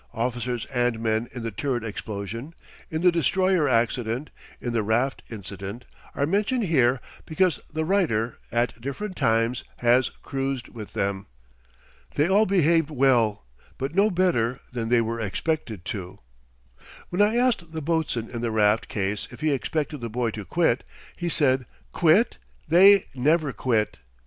Officers and men in the turret explosion, in the destroyer accident, in the raft incident, are mentioned here because the writer, at different times, has cruised with them. They all behaved well; but no better than they were expected to. When I asked the boatswain in the raft case if he expected the boy to quit, he said: "Quit! They never quit."